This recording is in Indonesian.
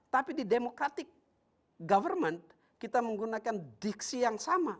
tapi di democratic government kita menggunakan diksi yang sama